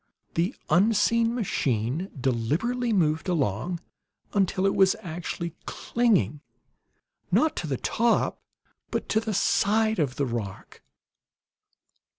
The unseen machine deliberately moved along until it was actually clinging, not to the top, but to the side of the rock.